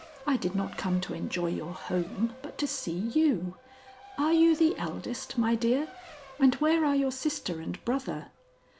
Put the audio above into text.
I did not come to enjoy your home, but to see you. Are you the eldest, my dear, and where are your sister and brother?"